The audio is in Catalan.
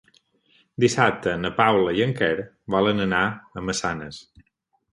Dissabte na Paula i en Quer volen anar a Massanes.